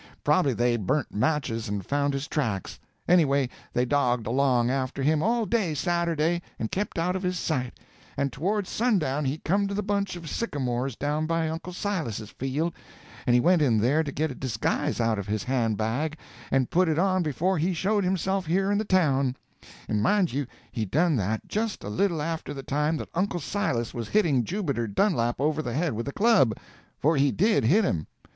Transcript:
Prob'ly they burnt matches and found his tracks. Anyway, they dogged along after him all day Saturday and kept out of his sight; and towards sundown he come to the bunch of sycamores down by Uncle Silas's field, and he went in there to get a disguise out of his hand bag and put it on before he showed himself here in the town—and mind you he done that just a little after the time that Uncle Silas was hitting Jubiter Dunlap over the head with a club—for he did hit him.